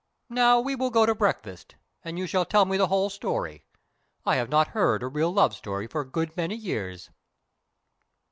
Now, we will go to breakfast, and you shall tell me the whole story. I have not heard a real love story for a good many years."